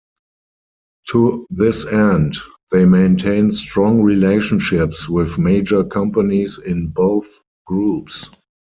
To this end, they maintain strong relationships with major companies in both groups.